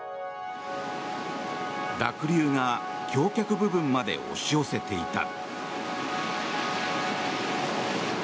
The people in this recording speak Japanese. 濁流が橋脚部分まで押し寄せていた。